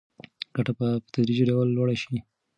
ګټه به په تدریجي ډول لوړه شي.